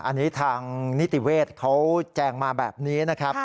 อันนี้ทางนิติเวศแจงมาแบบนี้